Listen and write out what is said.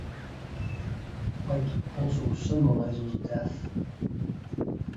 White also symbolizes death.